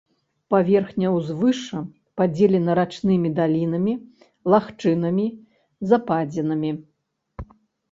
Паверхня ўзвышша падзелена рачнымі далінамі, лагчынамі, западзінамі.